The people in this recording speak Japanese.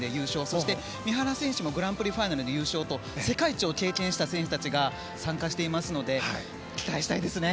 そして三原選手もグランプリファイナルで優勝と世界一を経験した選手たちが参加していますので期待したいですね。